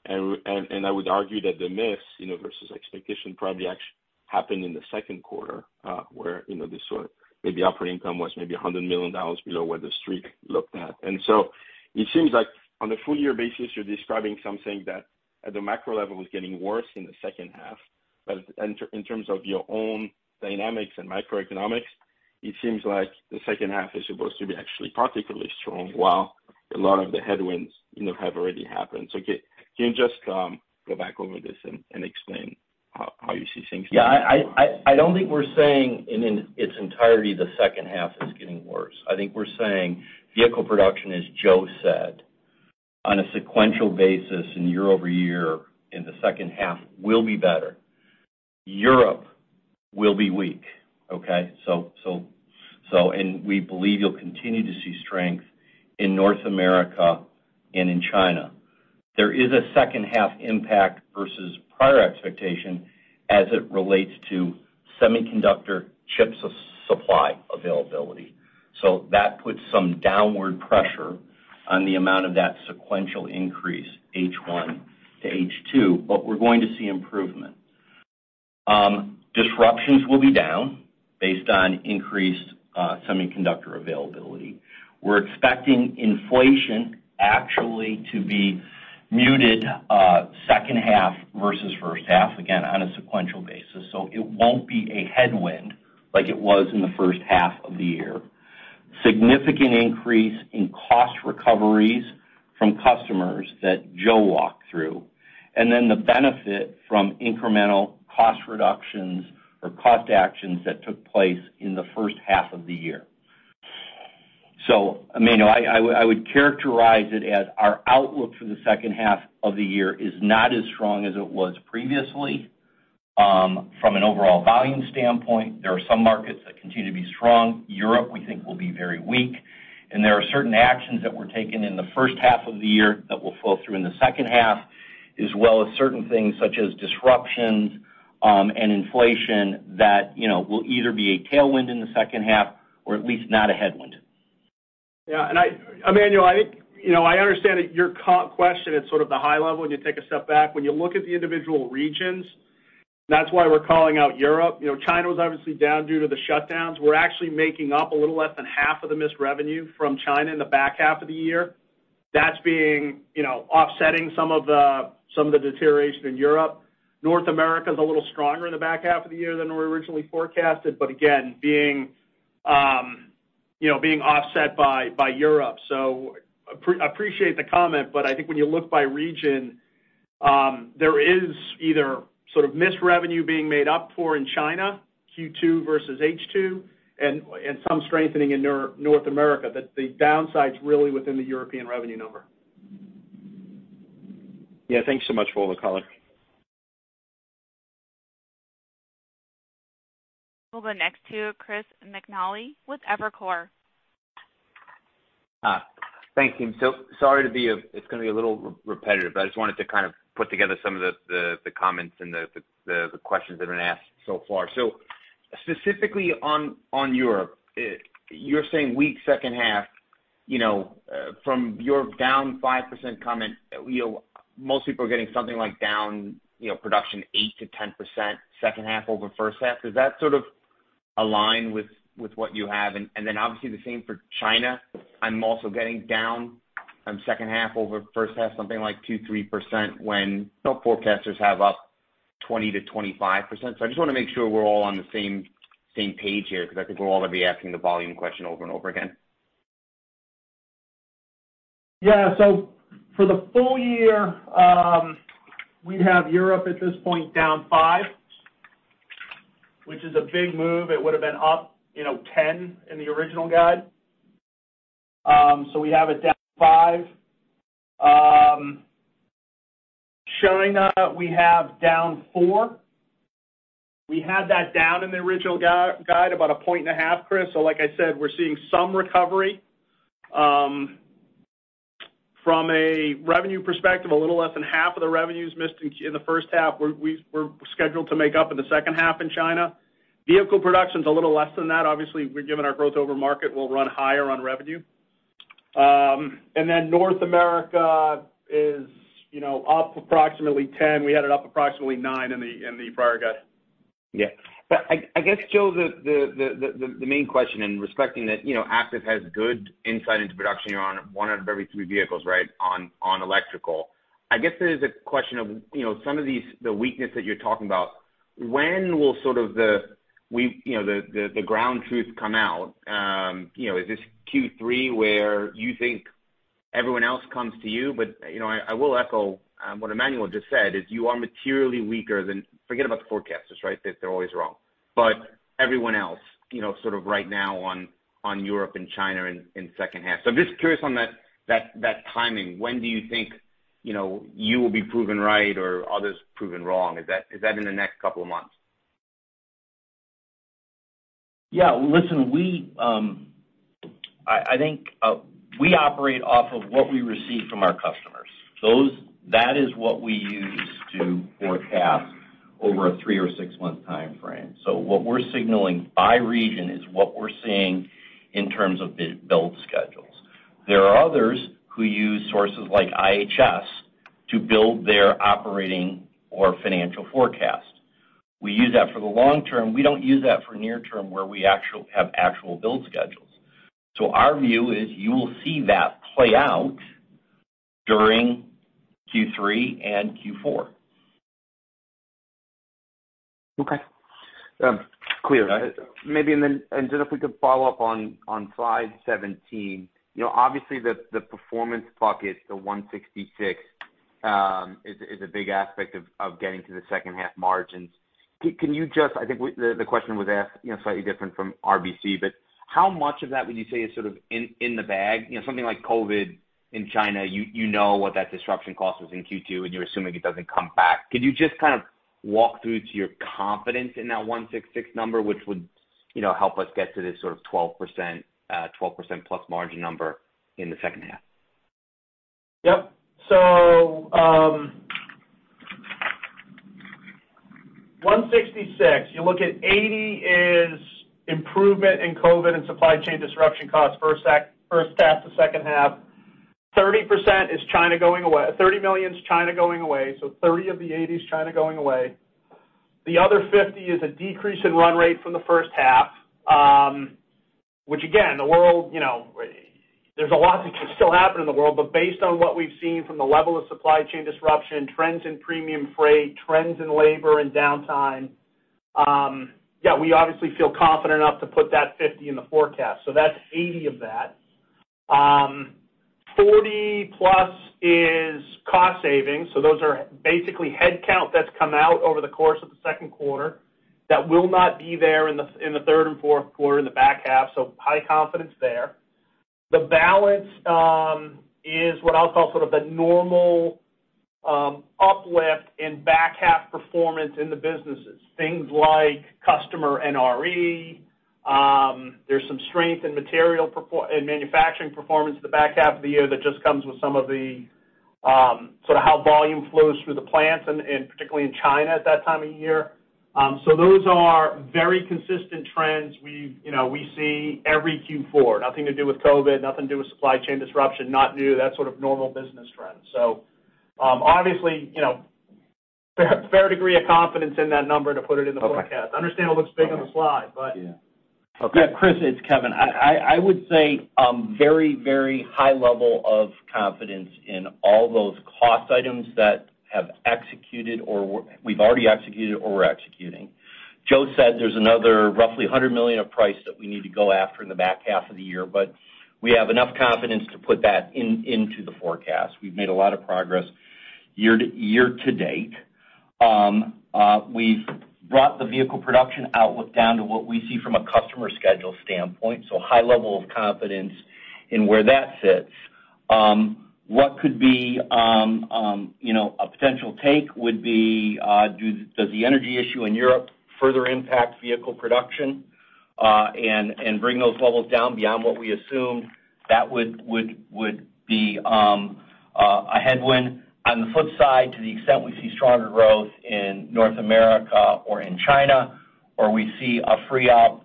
I would argue that the miss, you know, versus expectation probably happened in the second quarter, where, you know, maybe operating income was maybe $100 million below what the street looked at. It seems like on a full year basis, you're describing something that at the macro level is getting worse in the second half. In terms of your own dynamics and microeconomics, it seems like the second half is supposed to be actually particularly strong while a lot of the headwinds, you know, have already happened. Can you just go back over this and explain how you see things? Yeah, I don't think we're saying in its entirety the second half is getting worse. I think we're saying vehicle production, as Joe said, on a sequential basis and year-over-year in the second half will be better. Europe will be weak, okay? We believe you'll continue to see strength in North America and in China. There is a second half impact versus prior expectation as it relates to semiconductor chips supply availability. That puts some downward pressure on the amount of that sequential increase H1 to H2, but we're going to see improvement. Disruptions will be down based on increased semiconductor availability. We're expecting inflation actually to be muted second half versus first half, again, on a sequential basis. It won't be a headwind like it was in the first half of the year. Significant increase in cost recoveries from customers that Joe walked through, and then the benefit from incremental cost reductions or cost actions that took place in the first half of the year. Emmanuel, I would characterize it as our outlook for the second half of the year is not as strong as it was previously. From an overall volume standpoint, there are some markets that continue to be strong. Europe, we think, will be very weak. There are certain actions that were taken in the first half of the year that will flow through in the second half, as well as certain things such as disruptions, and inflation that, you know, will either be a tailwind in the second half or at least not a headwind. Yeah, Emmanuel, I think, you know, I understand that your question, it's sort of the high level when you take a step back. When you look at the individual regions, that's why we're calling out Europe. You know, China was obviously down due to the shutdowns. We're actually making up a little less than half of the missed revenue from China in the back half of the year. That's being, you know, offsetting some of the deterioration in Europe. North America is a little stronger in the back half of the year than we originally forecasted, but again, you know, being offset by Europe. Appreciate the comment, but I think when you look by region, there is either sort of missed revenue being made up for in China, Q2 versus H2, and some strengthening in North America, that the downside is really within the European revenue number. Yeah. Thanks so much for the color. We'll go next to Chris McNally with Evercore. Thank you. Sorry to be, it's gonna be a little repetitive, but I just wanted to kind of put together some of the comments and the questions that have been asked so far. Specifically on Europe, you're saying weak second half, you know, from your down 5% comment, you know, most people are getting something like down, you know, production 8%-10% second half over first half. Does that sort of align with what you have? Then obviously the same for China. I'm also getting down on second half over first half something like 2%-3% when some forecasters have up 20%-25%. I just wanna make sure we're all on the same page here because I think we'll all be asking the volume question over and over again. Yeah. For the full year, we have Europe at this point down 5%, which is a big move. It would've been up, you know, 10% in the original guide. We have it down 5%. China, we have down 4%. We had that down in the original guide about 1.5%, Chris. Like I said, we're seeing some recovery. From a revenue perspective, a little less than half of the revenues missed in the first half, we're scheduled to make up in the second half in China. Vehicle production is a little less than that. Obviously, we're given our growth over market, we'll run higher on revenue. North America is, you know, up approximately 10%. We had it up approximately 9% in the prior guide. Yeah. I guess, Joe, the main question and respecting that, you know, Aptiv has good insight into production. You're on one out of every three vehicles, right? On electrical. I guess there's a question of, you know, some of these, the weakness that you're talking about, when will sort of you know, the ground truth come out? You know, is this Q3 where you think everyone else comes to you? You know, I will echo what Emmanuel just said, is you are materially weaker than. Forget about the forecasters, right? They're always wrong. Everyone else, you know, sort of right now on Europe and China in second half. I'm just curious on that timing. When do you think, you know, you will be proven right or others proven wrong? Is that in the next couple of months? Yeah. Listen, I think we operate off of what we receive from our customers. That is what we use to forecast over a three or six-month time frame. What we're signaling by region is what we're seeing in terms of build schedules. There are others who use sources like IHS to build their operating or financial forecast. We use that for the long term. We don't use that for near term, where we have actual build schedules. Our view is you will see that play out during Q3 and Q4. Okay. Clear. Okay. Maybe, Joe, if we could follow up on slide 17. You know, obviously, the performance bucket, the $166, is a big aspect of getting to the second half margins. Can you just? I think the question was asked, you know, slightly different from RBC. How much of that would you say is sort of in the bag? You know, something like COVID in China, you know what that disruption cost was in Q2, and you're assuming it doesn't come back. Could you just kind of walk through your confidence in that $166 number, which would, you know, help us get to this sort of 12%+ margin number in the second half? Yep. $166 million, you look at $80 million is improvement in COVID and supply chain disruption costs first half to second half. $30 million is China going away, so $30 million of the $80 million is China going away. The other $50 million is a decrease in run rate from the first half, which again, the world, you know, there's a lot that can still happen in the world. Based on what we've seen from the level of supply chain disruption, trends in premium freight, trends in labor and downtime, yeah, we obviously feel confident enough to put that $50 million in the forecast. That's $80 million of that. $40+ million plus is cost savings, so those are basically headcount that's come out over the course of the second quarter that will not be there in the third and fourth quarter in the back half, so high confidence there. The balance is what I'll call sort of the normal uplift in back half performance in the businesses. Things like customer NRE, there's some strength in manufacturing performance in the back half of the year that just comes with some of the sort of how volume flows through the plants, and particularly in China at that time of year. Those are very consistent trends we, you know, we see every Q4. Nothing to do with COVID, nothing to do with supply chain disruption, not new. That's sort of normal business trends. Obviously, you know, fair degree of confidence in that number to put it in the forecast. Okay. Understand it looks big on the slide, but. Yeah. Okay. Yeah, Chris, it's Kevin. I would say very, very high level of confidence in all those cost items that have executed or we've already executed or we're executing. Joe said there's another roughly $100 million of price that we need to go after in the back half of the year, but we have enough confidence to put that into the forecast. We've made a lot of progress year to date. We've brought the vehicle production outlook down to what we see from a customer schedule standpoint, so high level of confidence in where that sits. What could be, you know, a potential take would be, does the energy issue in Europe further impact vehicle production, and bring those levels down beyond what we assume. That would be a headwind. On the flip side, to the extent we see stronger growth in North America or in China, or we see a free-up,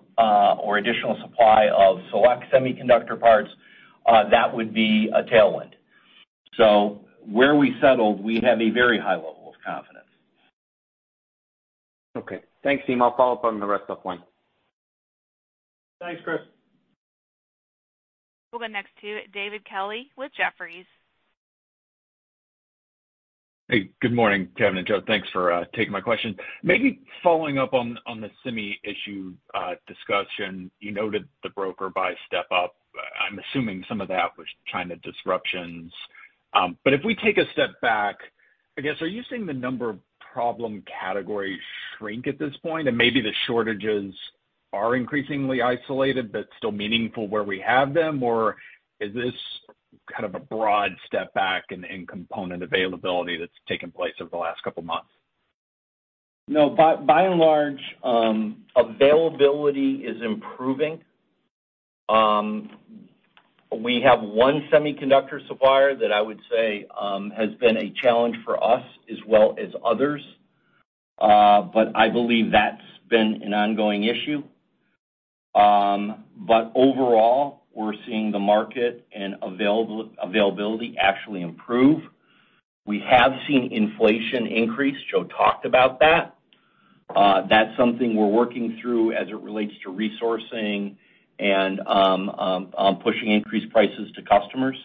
or additional supply of select semiconductor parts, that would be a tailwind. Where we settle, we have a very high level of confidence. Okay. Thanks, team. I'll follow up on the rest offline. Thanks, Chris. We'll go next to David Kelley with Jefferies. Hey, good morning, Kevin and Joe. Thanks for taking my questions. Maybe following up on the semi issue discussion. You noted the broader buys step up. I'm assuming some of that was China disruptions. If we take a step back, I guess, are you seeing the number of problem categories shrink at this point? Maybe the shortages are increasingly isolated but still meaningful where we have them, or is this kind of a broad step back in component availability that's taken place over the last couple of months? No. By and large, availability is improving. We have one semiconductor supplier that I would say has been a challenge for us as well as others, but I believe that's been an ongoing issue. Overall, we're seeing the market and availability actually improve. We have seen inflation increase. Joe talked about that. That's something we're working through as it relates to resourcing and pushing increased prices to customers.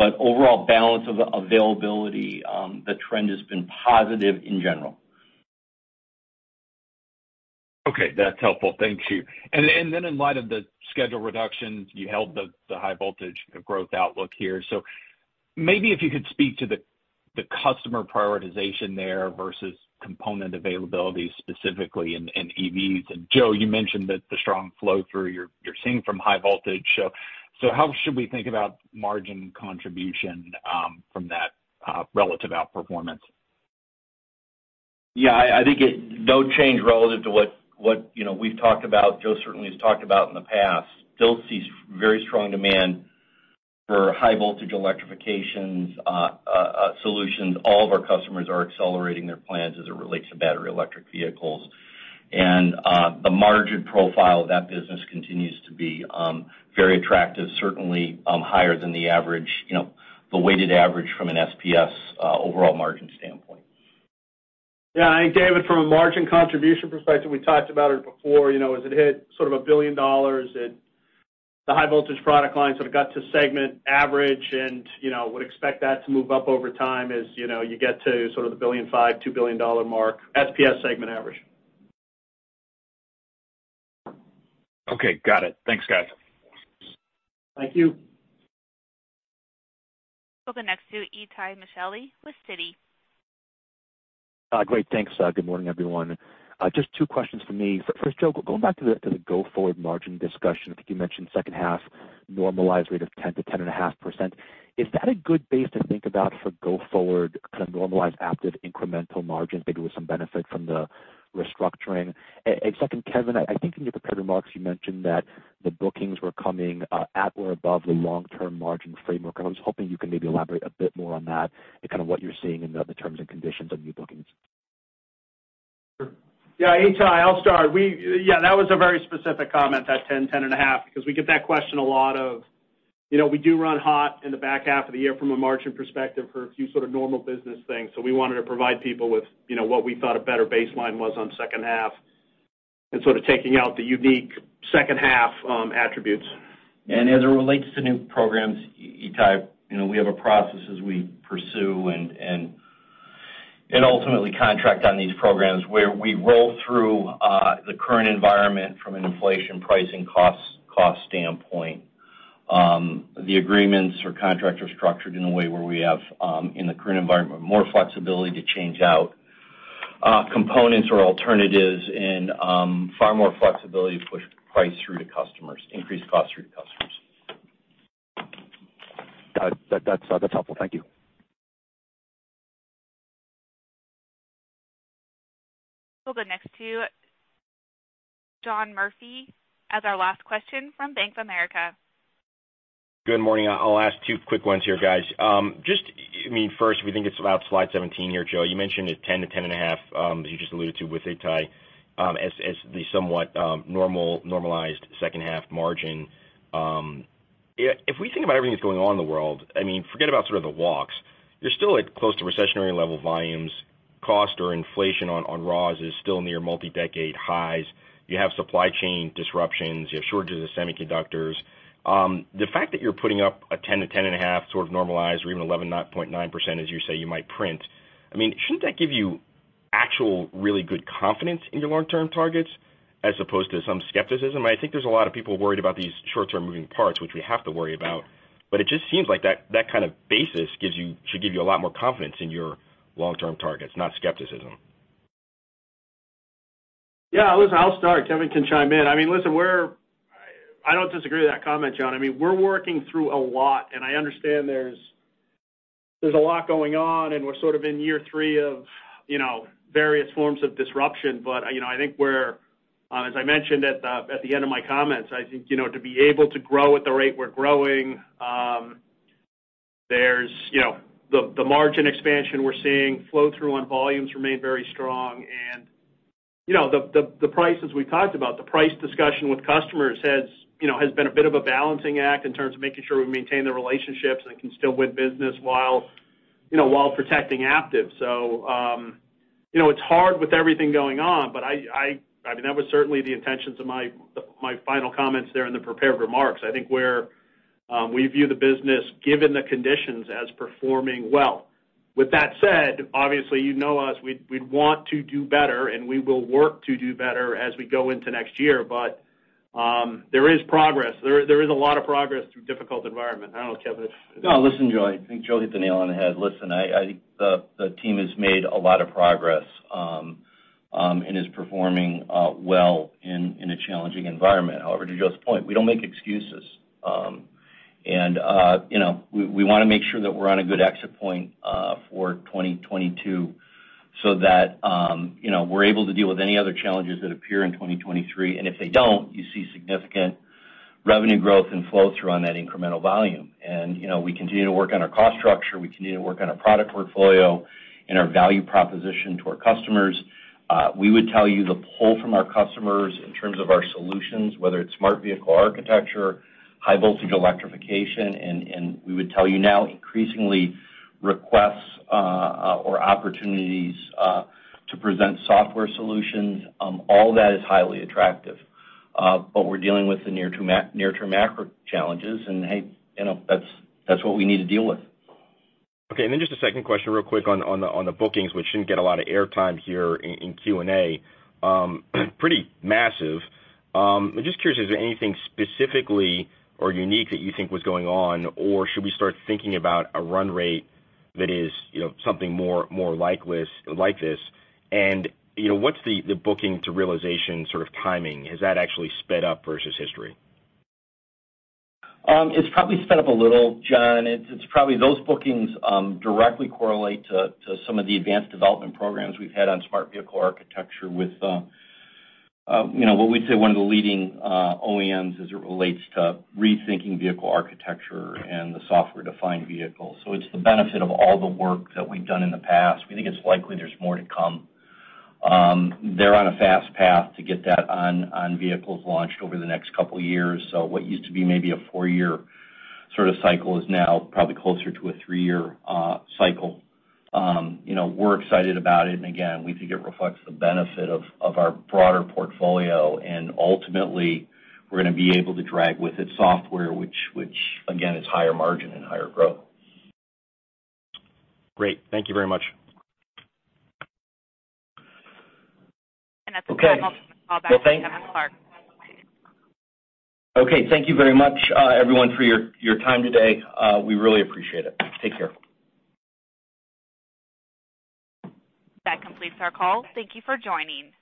Overall balance of availability, the trend has been positive in general. Okay, that's helpful. Thank you. In light of the schedule reductions, you held the high voltage growth outlook here. Maybe if you could speak to the customer prioritization there versus component availability specifically in EVs. Joe, you mentioned that the strong flow through you're seeing from high voltage. How should we think about margin contribution from that relative outperformance? Yeah, I think no change relative to what, you know, we've talked about, Joe certainly has talked about in the past. Still sees very strong demand for high voltage electrification solutions. All of our customers are accelerating their plans as it relates to battery electric vehicles. The margin profile of that business continues to be very attractive, certainly higher than the average, you know, the weighted average from an SPS overall margin standpoint. Yeah. I think, David, from a margin contribution perspective, we talked about it before, you know, as it hit sort of $1 billion, the high voltage product line sort of got to segment average. You know, would expect that to move up over time as, you know, you get to sort of the $1.5 billion-$2 billion mark, SPS segment average. Okay. Got it. Thanks, guys. Thank you. We'll go next to Itay Michaeli with Citi. Good morning, everyone. Just two questions for me. First, Joe, going back to the go-forward margin discussion. I think you mentioned second half normalized rate of 10%-10.5%. Is that a good base to think about for go forward kind of normalized active incremental margins, maybe with some benefit from the restructuring? And second, Kevin, I think in your prepared remarks, you mentioned that the bookings were coming at or above the long-term margin framework. I was hoping you could maybe elaborate a bit more on that and kind of what you're seeing in the terms and conditions of new bookings. Yeah, Itay, I'll start. Yeah, that was a very specific comment, that 10.5%, because we get that question a lot of, you know, we do run hot in the back half of the year from a margin perspective for a few sort of normal business things. We wanted to provide people with, you know, what we thought a better baseline was on second half and sort of taking out the unique second half attributes. As it relates to new programs, Itay, you know, we have a process as we pursue and ultimately contract on these programs where we roll through the current environment from an inflation pricing cost standpoint. The agreements or contracts are structured in a way where we have, in the current environment, more flexibility to change out components or alternatives and far more flexibility to push price through to customers, increase cost through to customers. Got it. That's helpful. Thank you. We'll go next to John Murphy as our last question from Bank of America. Good morning. I'll ask two quick ones here, guys. Just, I mean, first, we think it's about slide 17 here, Joe. You mentioned a 10%-10.5%, as you just alluded to with Itay, as the somewhat normalized second half margin. If we think about everything that's going on in the world, I mean, forget about sort of the walks. You're still at close to recessionary level volumes. Cost or inflation on raws is still near multi-decade highs. You have supply chain disruptions. You have shortages of semiconductors. The fact that you're putting up a 10%-10.5% sort of normalized or even 11.9%, as you say you might print, I mean, shouldn't that give you actual really good confidence in your long-term targets as opposed to some skepticism? I think there's a lot of people worried about these short-term moving parts, which we have to worry about, but it just seems like that kind of basis should give you a lot more confidence in your long-term targets, not skepticism. Yeah. Listen, I'll start. Kevin can chime in. I mean, listen, we're I don't disagree with that comment, John. I mean, we're working through a lot, and I understand there's a lot going on, and we're sort of in year three of, you know, various forms of disruption. You know, I think we're as I mentioned at the end of my comments, I think, you know, to be able to grow at the rate we're growing, there's, you know, the margin expansion we're seeing, flow-through on volumes remain very strong. You know, the prices we talked about, the price discussion with customers has, you know, has been a bit of a balancing act in terms of making sure we maintain the relationships and can still win business while, you know, while protecting Aptiv. You know, it's hard with everything going on, but I mean, that was certainly the intentions of my final comments there in the prepared remarks. I think we view the business, given the conditions, as performing well. With that said, obviously, you know us, we'd want to do better, and we will work to do better as we go into next year. There is progress. There is a lot of progress through difficult environment. I don't know, Kevin. No, listen, Joe. I think Joe hit the nail on the head. Listen, the team has made a lot of progress and is performing well in a challenging environment. However, to Joe's point, we don't make excuses. You know, we wanna make sure that we're on a good exit point for 2022 so that you know, we're able to deal with any other challenges that appear in 2023. If they don't, you see significant revenue growth and flow-through on that incremental volume. You know, we continue to work on our cost structure. We continue to work on our product portfolio and our value proposition to our customers. We would tell you the pull from our customers in terms of our solutions, whether it's Smart Vehicle Architecture, high voltage electrification, and we would tell you now increasingly requests or opportunities to present software solutions. All that is highly attractive. We're dealing with the near-term macro challenges and, hey, you know, that's what we need to deal with. Okay. Just a second question real quick on the bookings, which shouldn't get a lot of air time here in Q&A. Pretty massive. I'm just curious, is there anything specifically or unique that you think was going on? Or should we start thinking about a run rate that is, you know, something more like this? You know, what's the booking to realization sort of timing? Has that actually sped up versus history? It's probably sped up a little, John. It's probably those bookings directly correlate to some of the advanced development programs we've had on Smart Vehicle Architecture with you know what we'd say one of the leading OEMs as it relates to rethinking vehicle architecture and the software-defined vehicle. It's the benefit of all the work that we've done in the past. We think it's likely there's more to come. They're on a fast path to get that on vehicles launched over the next couple years. What used to be maybe a four-year sort of cycle is now probably closer to a three-year cycle. You know, we're excited about it, and again, we think it reflects the benefit of our broader portfolio. Ultimately, we're gonna be able to drag with it software which again, is higher margin and higher growth. Great. Thank you very much. At this time, I'll turn the call back to Kevin Clark. Okay. Thank you very much, everyone for your time today. We really appreciate it. Take care. That completes our call. Thank you for joining.